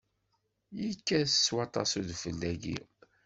Yekkat s waṭas udfel dagi?